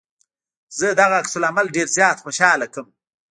زه دغه عکس العمل ډېر زيات خوشحاله کړم.